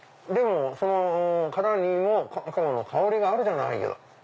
でもその殻にもカカオの香りがあるじゃないよ。